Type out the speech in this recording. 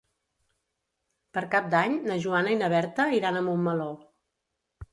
Per Cap d'Any na Joana i na Berta iran a Montmeló.